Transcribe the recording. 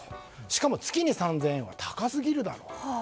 しかも月に３０００円は高すぎるだろうと。